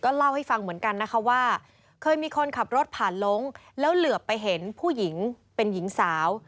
เล่าให้ฟังเหมือนกันนะคะว่าเคยมีคนขับรถผ่านลงแล้วเหลือไปเห็นผู้หญิงเป็นหญิงสาว